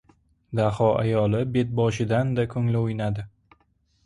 Daho ayoli bet-boshidanda ko‘ngli o‘ynadi!